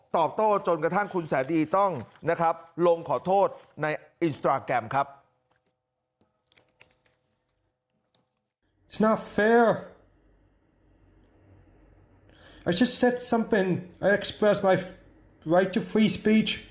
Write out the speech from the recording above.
ตอบโต้จนกระทั่งคุณแสนดีต้องนะครับลงขอโทษในอินสตราแกรมครับ